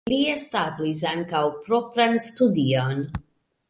Li establis ankaŭ propran studion.